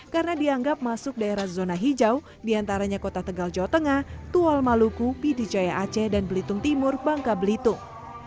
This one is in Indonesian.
karena dianggap masuk daerah zona hijau diantaranya kota tegal jawa tengah tual maluku piti jaya aceh dan belitung timur bangka belitung